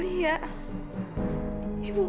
aintel juga ibu bu